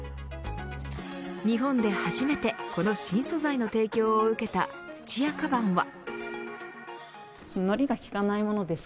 日本で初めてこの新素材の提供を受けた土屋鞄は。